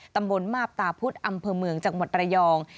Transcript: ตำบลมาบตาพุธอำเภอเมืองจังหวัดระยอง